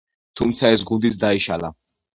თუმცა ეს გუნდიც დაიშალა.